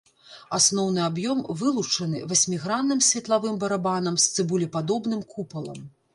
Асноўны аб'ём вылучаны васьмігранным светлавым барабанам з цыбулепадобным купалам.